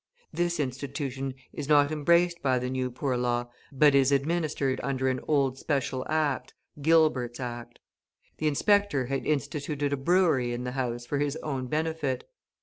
This institution is not embraced by the New Poor Law, but is administered under an old special act (Gilbert's Act). The inspector had instituted a brewery in the house for his own benefit.